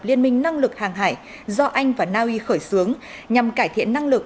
liên minh năng lực hàng hải do anh và naui khởi xướng nhằm cải thiện năng lực